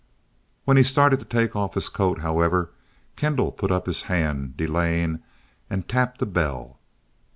When he started to take off his coat, however, Kendall put up his hand delayingly and tapped a bell.